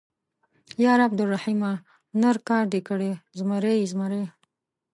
_ياره عبدالرحيمه ، نر کار دې کړی، زمری يې، زمری.